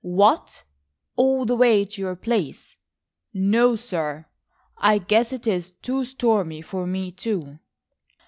"What, all the way to your place? No, sir, I guess it is too stormy for me, too."